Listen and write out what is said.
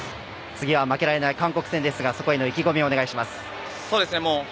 次は負けられない韓国戦ですがそこへの意気込みをそうですね。